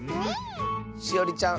しおりちゃん